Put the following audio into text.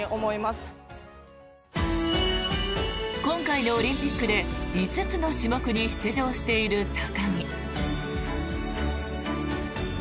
今回のオリンピックで５つの種目に出場している高木。